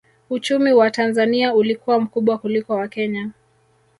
Uchumi wa Tanzania ulikuwa mkubwa kuliko wa Kenya